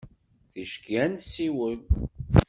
Ticki ad nessiwel.